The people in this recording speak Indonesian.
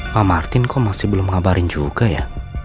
pak martin kok masih belum mengabarin juga ya